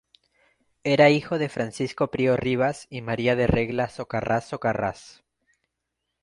Era hijo de Francisco Prío Rivas y María de Regla Socarrás Socarrás.